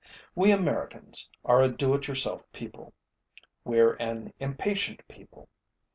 We Americans are a do it yourself people weÆre an impatient people.